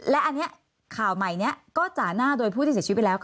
และอันนี้ข่าวใหม่นี้ก็จ่าหน้าโดยผู้ที่เสียชีวิตไปแล้ว